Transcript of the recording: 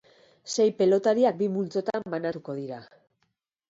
Sei pelotariak bi multzotan banatuko dira.